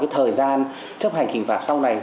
thời gian chấp hành hình phạt sau này